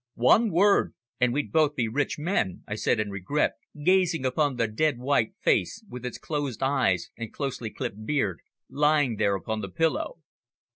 One word, and we'd both be rich men," I said in regret, gazing upon the dead, white face, with its closed eyes and closely clipped beard, lying there upon the pillow.